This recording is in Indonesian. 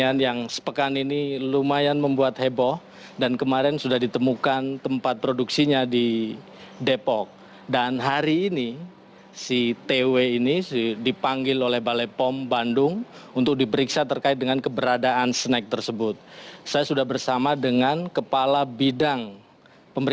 badan pengawasan obat dan makanan bepom mengeluarkan rilis hasil penggerbekan tempat produksi bihun berdesain bikini